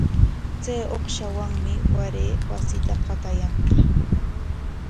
Chay uqashawanmi waray wasita qatayanqa.